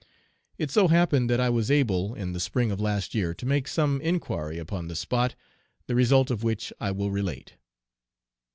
It so happened that I was able, in the spring of last year, to make some inquiry upon the spot, the result of which I will relate.